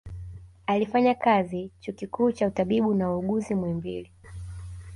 Alifanya kazi chuo kikuu cha utabibu na uuguzi muhimbili